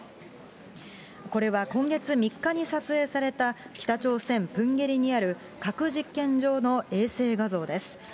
これは今月３日に撮影された、北朝鮮・プンゲリにある核実験場の衛星画像です。